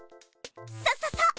そうそうそう。